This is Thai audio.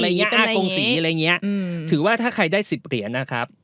เป็นกรงศรีถือว่าถ้าใครได้๑๐เหรียญนะครับ